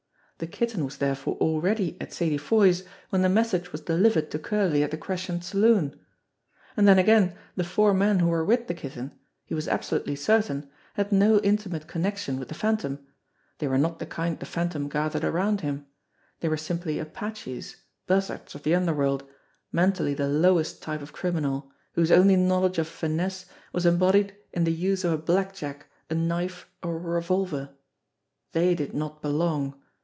The Kitten was therefore already at Sadie Foy's when the message was delivered to Curley at the Crescent Saloon. And then, again, the four THE PIECES OF A PUZZLE 24S men who were with the Kitten, he was absolutely certain, had no intimate connection with the Phantom; they were not the kind the Phantom gathered around him; they were simply apaches, buzzards of the underworld, mentally the lowest type of criminal, whose only knowledge of finesse was embodied in the use of a black jack, a knife, or a revolver. They did not belong!